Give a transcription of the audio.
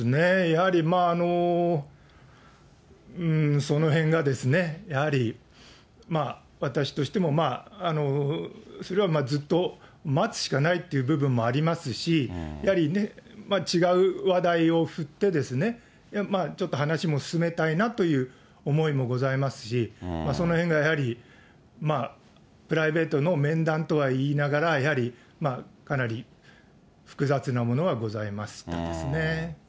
やはりうーん、そのへんがですね、やはり私としても、それはずっと待つしかないという部分もありますし、やはり、ねぇ、違う話題を振って、ちょっと話も進めたいなという思いもございますし、そのへんがやはりプライベートの面談とは言いながら、やはりかなり複雑なものはございましたですね。